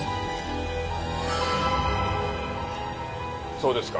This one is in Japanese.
そうですか。